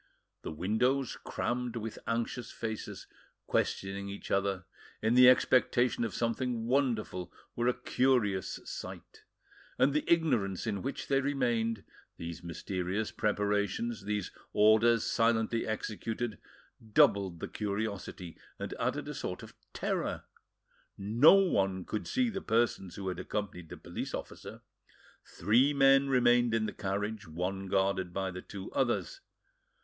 The windows, crammed with anxious faces, questioning each other, in the expectation of something wonderful, were a curious sight; and the ignorance in which they remained, these mysterious preparations, these orders silently executed, doubled the curiosity, and added a sort of terror: no one could see the persons who had accompanied the police officer; three men remained in the carriage, one guarded by the two others.